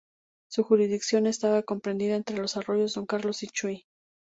Su jurisdicción estaba comprendida entre los arroyos Don Carlos y Chuy.